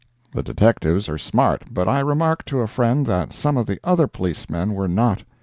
The detectives are smart, but I remarked to a friend that some of the other policemen were not.